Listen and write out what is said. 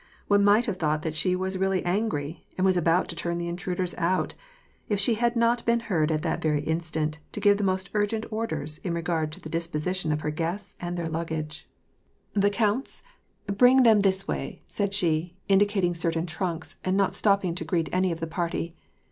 One might have thought that she was really angry, and was about to turn the intruders out, if she had not been heard at that very instant to give the most urgent orders in regard to the disposition of her guests and their luggage. WAR AND PEACE. 331 "The count's ?— bring them this way," said she, indicating certain trunks, and not stopping to greet any of the party.